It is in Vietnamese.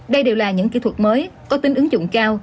đây đều là những kỹ thuật mới có tính ứng dụng cao